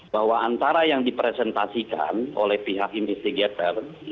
bahwa antara yang dipresentasikan oleh pihak investigator